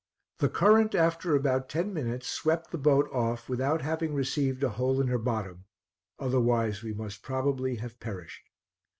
The current, after about ten minutes, swept the boat off without having received a hole in her bottom, otherwise we must probably have perished.